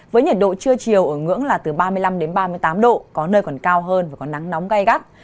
với nhiệt độ trưa chiều ở ngưỡng là từ ba mươi năm đến ba mươi tám độ có nơi còn cao hơn và có nắng nóng gai gắt